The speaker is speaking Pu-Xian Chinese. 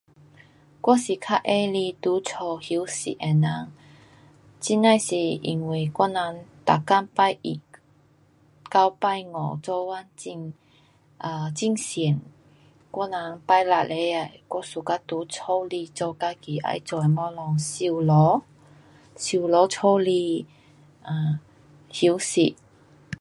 我是较喜欢在家休息的人。这呐是因为我人每天拜一到拜五做工很，um 很厌，我人拜六礼拜我 suka 在家里做自己要做的东西，收拾，收拾家里。um 休息